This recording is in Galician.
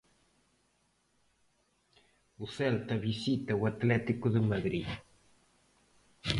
O Celta visita o Atlético de Madrid.